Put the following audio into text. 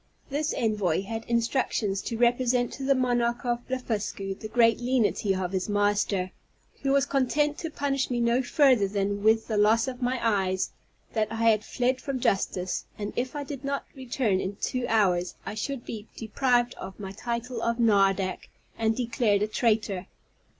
This envoy had instructions to represent to the monarch of Blefuscu the great lenity of his master, who was content to punish me no further than with the loss of my eyes; that I had fled from justice, and, if I did not return in two hours, I should be deprived of my title of nardac, and declared a traitor.